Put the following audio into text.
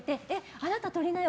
あなたとりなよ。